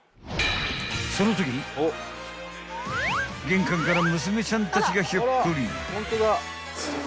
［玄関から娘ちゃんたちがひょっこり］